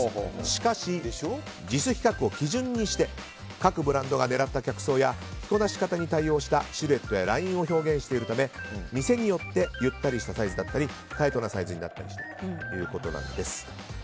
しかしＪＩＳ規格を基準にして各ブランドが狙った客層や着こなし方に対応したシルエットやラインを表現しているため店によってゆったりしたサイズだったりタイトなサイズになったりするということです。